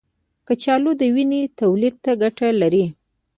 کچالو د وینې تولید ته ګټه لري.